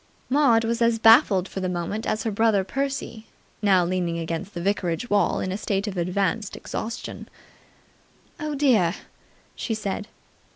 Maud was as baffled for the moment as her brother Percy, now leaning against the vicarage wall in a state of advanced exhaustion. "Oh, dear!" she said.